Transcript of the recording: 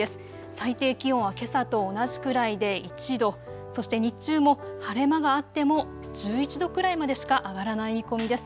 最低気温はけさと同じくらいで１度、そして日中も晴れ間があっても１１度くらいまでしか上がらない見込みです。